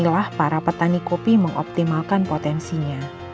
dan inilah para petani kopi mengoptimalkan potensinya